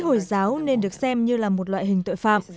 hồi giáo nên được xem như là một loại hình tội phạm